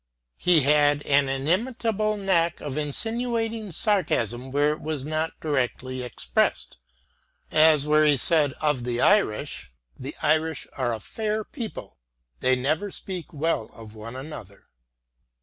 He had an inimitable knack of insinuating sarcasm where it was not directly expressed, as where he said of the Irish, " The Irish are a fair PEOPLE, they never speak well of one another."